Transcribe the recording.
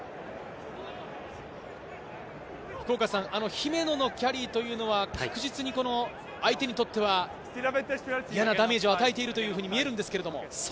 姫野のキャリーというのは確実に相手にとっては、嫌なダメージを与えているというふうに見えるんですが。